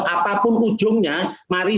apapun ujungnya mari